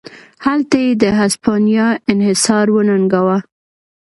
هلته یې د هسپانیا انحصار وننګاوه.